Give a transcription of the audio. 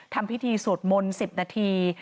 ทำพิธีสวดมนต์๑๐นาที